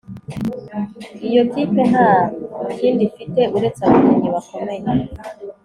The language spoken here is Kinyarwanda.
Iyo kipe ntakindi ifite uretse abakinnyi bakomeye